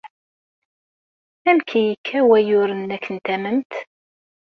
Amek ay yekka wayyur-nnek n tamemt?